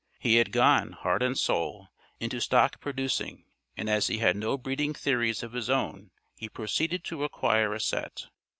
He had gone, heart and soul, into stock producing and as he had no breeding theories of his own he proceeded to acquire a set.